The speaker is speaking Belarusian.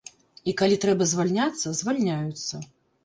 І калі трэба звальняцца, звальняюцца.